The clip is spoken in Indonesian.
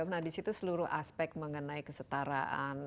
nah di situ seluruh aspek mengenai kesetaraan